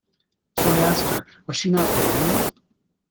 So I asked her — 'Was she not wearing them?'